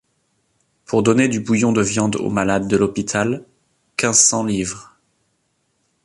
Pour donner du bouillon de viande aux malades de l’hôpital: quinze cents livres.